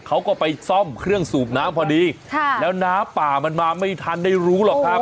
เขาก็ไปซ่อมเครื่องสูบน้ำพอดีค่ะแล้วน้ำป่ามันมาไม่ทันได้รู้หรอกครับ